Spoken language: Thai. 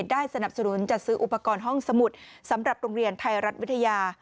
ได้สนับสนุนจัดซื้ออุปกรณ์ห้องสมุดสำหรับโรงเรียนไทยรัฐวิทยา